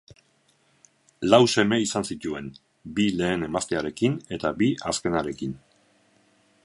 Lau seme izan zituen, bi lehen emaztearekin eta bi azkenarekin.